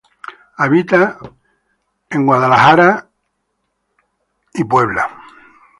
Habita en Arkansas y en Asia.